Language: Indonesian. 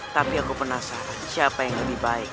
tapi aku penasaran siapa yang lebih baik